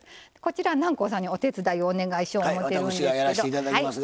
南光さんにお手伝いをお願いしよう思ってるんですけど。